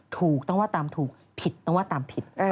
ถูกต้องว่าตามถูกผิดต้องว่าตามผิด